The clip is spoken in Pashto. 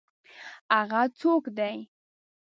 هغه څوک دی؟